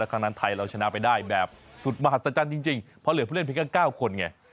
ครั้งนั้นไทยเราชนะไปได้แบบสุดมหัศจรรย์จริงเพราะเหลือผู้เล่นเพียงแค่๙คนไง